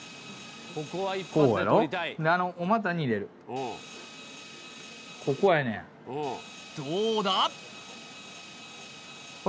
こうやろであのお股に入れるここやねんどうだ？